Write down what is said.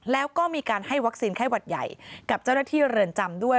แล้วก็มีการให้วัคซีนไข้หวัดใหญ่กับเจ้าหน้าที่เรือนจำด้วย